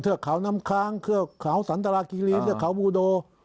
เฌื้อกเขอน้ำคลางเครื่องเขาสันตราฯิคิรีถือเขาเบอร์โด